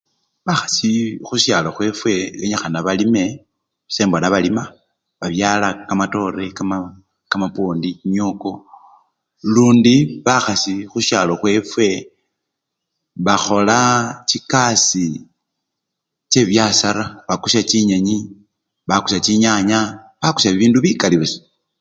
Bakhasi khusyalo khwefwe benyikhana balime, sembona balima, babyala kamatore, kamakanda, kamapwondi kimyoko, lundi bakhasi khusyalo khwefwe bakhola chikasii chebibyasara, bakusya chinyenyi, bakusya chinyanya bakusya bibindu bikali busa.